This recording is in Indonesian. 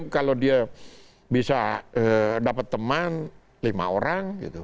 kalau dia bisa dapat teman lima orang